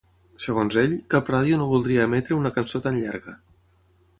Segons ell, cap ràdio no voldria emetre una cançó tan llarga.